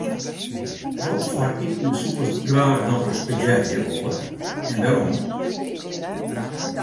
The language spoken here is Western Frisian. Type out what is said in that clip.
Watfoar iten soest graach nochris probearje wolle en wêrom?